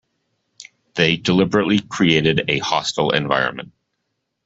They deliberately created a hostile environment